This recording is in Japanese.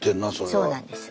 そうなんです。